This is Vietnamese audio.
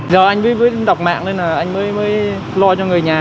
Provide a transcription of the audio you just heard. giờ anh mới đọc mạng nên là anh mới lo cho người nhà